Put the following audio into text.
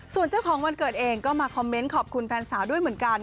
ส่วนเจ้าของวันเกิดเองก็มาคอมเมนต์ขอบคุณแฟนสาวด้วยเหมือนกัน